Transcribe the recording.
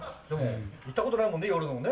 行ったことないもんね、夜。